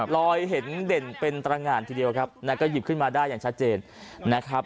เห็นเด่นเป็นตรงานทีเดียวครับแล้วก็หยิบขึ้นมาได้อย่างชัดเจนนะครับ